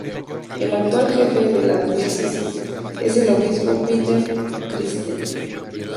El actual jefe de la Diócesis es el Obispo Peter Christensen.